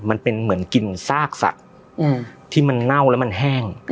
มันเป็นเหมือนกลิ่นซากสัตว์ที่มันเน่าแล้วมันแห้ง